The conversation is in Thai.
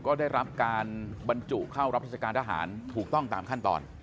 ก็ได้รับการบรรจุเข้ารับราชการทหารถูกต้องตามขั้นตอน